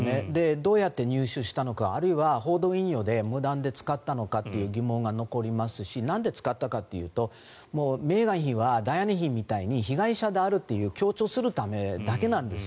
どうやって入手したのかあるいは報道引用で無断で使ったのかという疑問が残りますしなんで使ったかというとメーガン妃はダイアナ妃みたいに被害者であるという強調するためだけなんです。